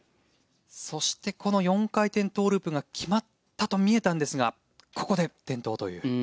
そしてこの４回転トウループが決まったと見えたんですがここで転倒という。